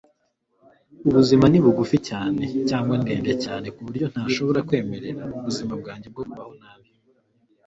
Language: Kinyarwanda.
ubuzima ni bugufi cyane, cyangwa ndende cyane, ku buryo ntashobora kwemerera ubuzima bwanjye bwo kubaho nabi